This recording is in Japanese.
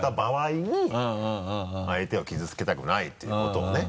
相手を傷つけたくないっていうことをね。